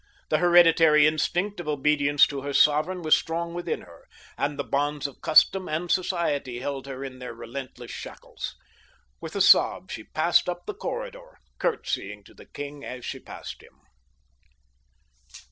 The hereditary instinct of obedience to her sovereign was strong within her, and the bonds of custom and society held her in their relentless shackles. With a sob she passed up the corridor, curtsying to the king as she passed him.